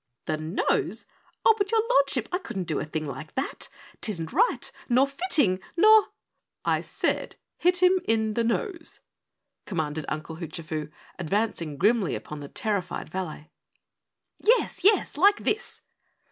"The nose? Oh, but Your Lordship, I couldn't do a thing like that. 'Tisn't right, nor fitting nor " "I said hit him in the nose," commanded Uncle Hoochafoo, advancing grimly upon the terrified valet. "Yes, yes, like this!"